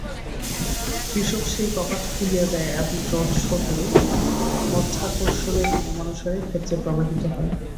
কৃষক সেই কপাট খুলিয়া দেয় এবং জল স্বতই মাধ্যাকর্ষণের নিয়মানুসারে ক্ষেত্রে প্রবাহিত হয়।